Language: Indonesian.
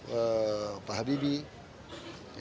karena kejahatan itu dianggap ada kejahatan